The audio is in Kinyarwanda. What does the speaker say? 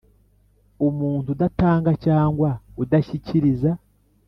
Umuntu udatanga cyangwa udashyikiriza